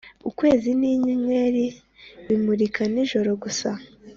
ukwezi ninyenyeri bimurika nijoro gusa